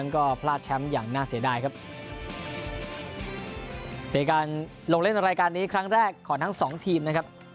ก็พลาดแชมป์อย่างน่าเสียดายครับเป็นการลงเล่นรายการนี้ครั้งแรกของทั้งสองทีมนะครับ